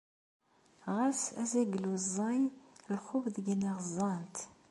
Ɣas azaglu ẓẓay, lxuf deg-nneɣ ẓẓan-t.